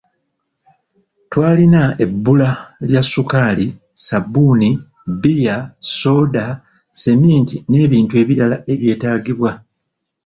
Twalina ebbula lya ssukaali, ssabbuuni, bbiya, sooda, sseminti n'ebintu ebirala ebyetaagibwa.